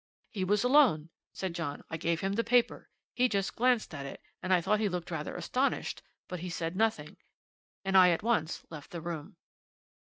"'He was alone,' said John; 'I gave him the paper. He just glanced at it, and I thought he looked rather astonished, but he said nothing, and I at once left the room.'